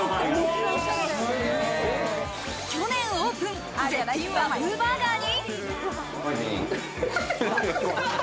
去年オープン、絶品和風バーガーに。